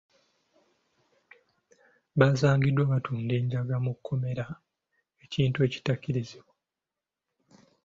Basangiddwa batunda enjaga mu kkomera ekintu ekitakkirizibwa.